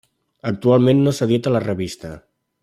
Actualment no s'edita la revista.